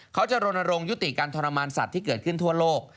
รณรงค์ยุติการทรมานสัตว์ที่เกิดขึ้นทั่วโลก